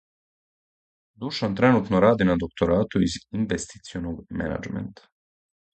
Душан тренутно ради на докторату из инвестиционог менаџмента.